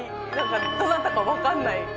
どなたか分かんない方。